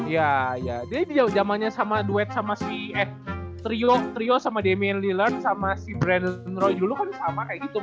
iya dia jamannya sama duet sama si trio sama damien lillard sama si brandon roy dulu kan sama kayak gitu